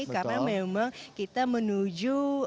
karena memang kita menuju